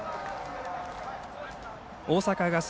大阪ガス